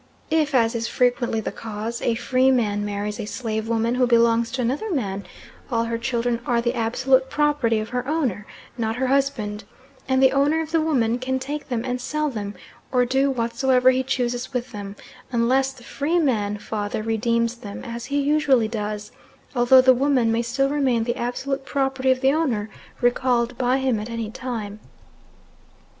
If, as is frequently the case, a free man marries a slave woman who belongs to another man, all her children are the absolute property of her owner, not her husband; and the owner of the woman can take them and sell them, or do whatsoever he chooses with them, unless the free man father redeems them, as he usually does, although the woman may still remain the absolute property of the owner, recallable by him at any time.